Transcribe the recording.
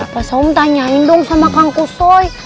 pak saum tanyain dong sama kang kusoy